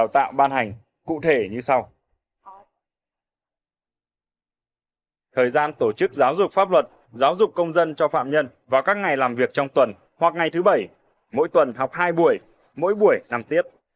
thời gian tổ chức giáo dục pháp luật giáo dục công dân cho phạm nhân vào các ngày làm việc trong tuần hoặc ngày thứ bảy mỗi tuần học hai buổi mỗi buổi nằm tiết